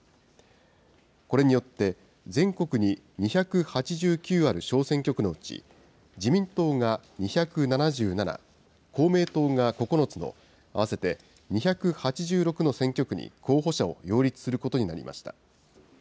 これによって、全国に２８９ある小選挙区のうち、自民党が２７７、公明党が９つの、合わせて２８６の選挙区に候補者を擁立することになりました。